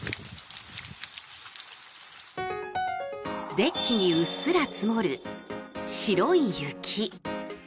デッキにうっすら積もる白い雪。